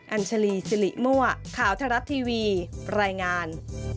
อัญชลีสิริมั่วข่าวทรัฐทีวีรายงาน